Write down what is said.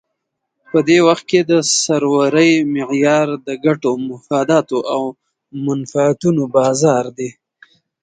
په دې وخت کې د سرورۍ معیار د ګټو، مفاداتو او منفعتونو بازار دی.